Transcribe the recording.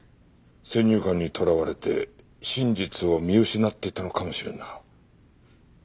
先入観にとらわれて真実を見失っていたのかもしれんな。